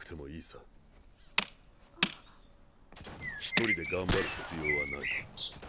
ひとりで頑張る必要はない。